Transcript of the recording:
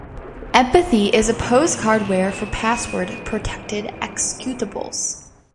"Empathy" is a postcardware for password-protected executables.